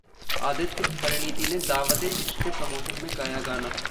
आदित्य, परिणिति ने 'दावत-ए-इश्क' के प्रमोशन में गाया गाना